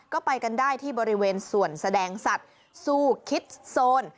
ก็ไปกันได้ที่บริเวณส่วนแสดงสัตว์สู้คิดโซน